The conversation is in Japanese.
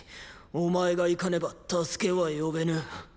お前が行かねば助けは呼べぬ。